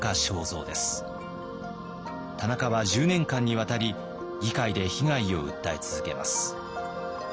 田中は１０年間にわたり議会で被害を訴え続けます。